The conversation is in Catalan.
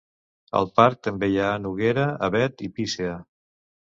Al parc també hi ha noguera, avet i pícea.